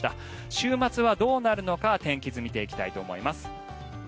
週末はどうなるのか天気図見ていきたいと思います。